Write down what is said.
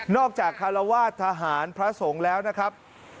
จากคารวาสทหารพระสงฆ์แล้วนะครับ